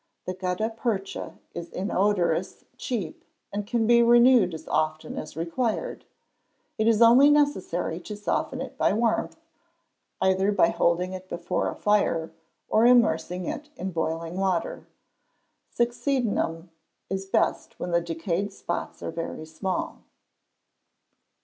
The gutta percha is inodorous, cheap, and can be renewed as often as required. It is only necessary to soften it by warmth, either by holding it before a fire, or immersing it in boiling water. Succedaneum is best when the decayed spots are very small.